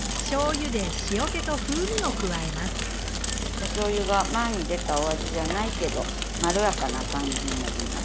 おしょうゆが前に出たお味じゃないけどまろやかな感じになります。